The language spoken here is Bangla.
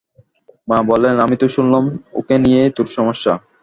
মা বললেন, আমি তো শুনলাম ওকে নিয়েই তোর সমস্যা।